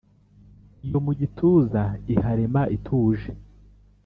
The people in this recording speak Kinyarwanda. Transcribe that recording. iyo mu gituza iharema ituje,